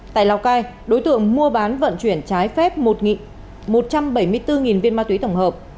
tại lào cai đối tượng mua bán vận chuyển trái phép một một trăm bảy mươi bốn viên ma túy tổng hợp